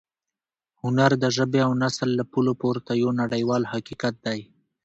هنر د ژبې او نسل له پولو پورته یو نړیوال حقیقت دی.